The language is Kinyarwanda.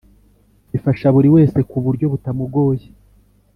bifasha buri wese ku buryo butamugoye